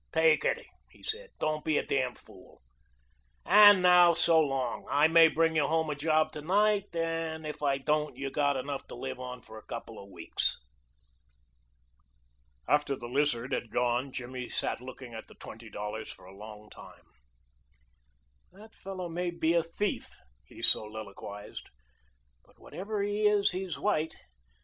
"Take it," he said; "don't be a damn fool. And now so long! I may bring you home a job to night, but if I don't you've got enough to live on for a couple of weeks." After the Lizard had gone Jimmy sat looking at the twenty dollars for a long time. "That fellow may be a thief," he soliloquized, "but whatever he is he's white.